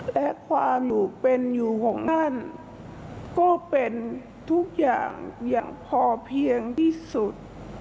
และความหนูเป็นอยู่ของท่านก็เป็นทุกอย่างอย่างพอเพียงที่สุด